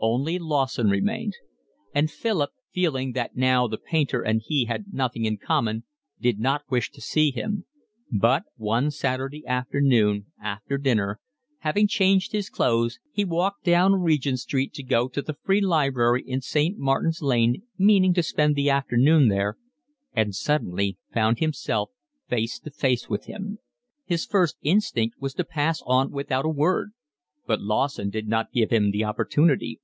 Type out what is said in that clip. Only Lawson remained; and Philip, feeling that now the painter and he had nothing in common, did not wish to see him; but one Saturday afternoon, after dinner, having changed his clothes he walked down Regent Street to go to the free library in St. Martin's Lane, meaning to spend the afternoon there, and suddenly found himself face to face with him. His first instinct was to pass on without a word, but Lawson did not give him the opportunity.